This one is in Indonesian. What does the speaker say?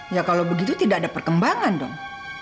ya kalau begitu tidak ada perkembangan dong